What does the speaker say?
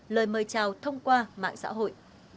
lời mời chào thông qua mạng xã hội